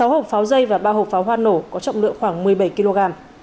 sáu hộp pháo dây và ba hộp pháo hoa nổ có trọng lượng khoảng một mươi bảy kg